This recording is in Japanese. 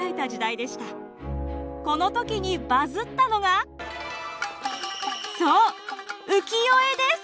この時にバズったのがそう浮世絵です！